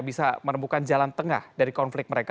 bisa menemukan jalan tengah dari konflik mereka